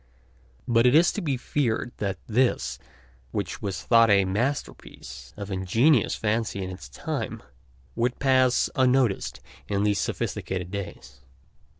But it is to be feared that this, which was thought a masterpiece of ingenious fancy in its time, would pass unnoticed in these sophisticated days.